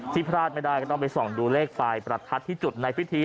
พลาดไม่ได้ก็ต้องไปส่องดูเลขปลายประทัดที่จุดในพิธี